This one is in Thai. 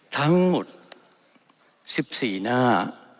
ทั้งหมด๑๔หน้า